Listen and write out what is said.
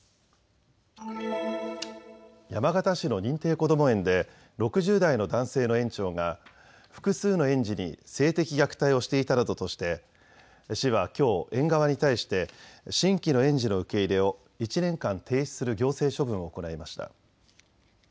山形市の認定こども園で６０代の男性の園長が複数の園児に性的虐待をしていたなどとして市はきょう園側に対して新規の園児の受け入れを１年間停止する行政処分を行いました。